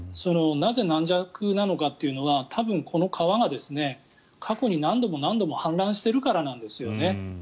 なぜ、軟弱なのかというのが多分、この川が過去に何度も何度も氾濫しているからなんですよね。